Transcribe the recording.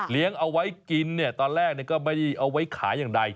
เลี้ยงเอาไว้กินตอนแรกก็ไม่เอาไว้ขายอย่างไร